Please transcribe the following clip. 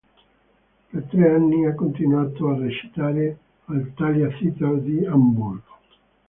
Per tre anni ha continuato a recitare al Thalia Theater di Amburgo.